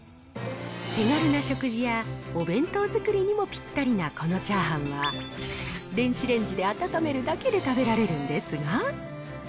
手軽な食事やお弁当作りにもぴったりなこのチャーハンは、電子レンジで温めるだけで食べられるんですが。